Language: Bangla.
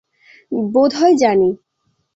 বোধ হয় জানি।